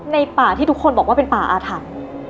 ในป่าที่ทุกคนบอกว่าเป็นป่าอาถรรพ์